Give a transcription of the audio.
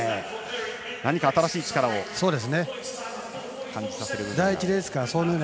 何か新しい力を感じさせるような。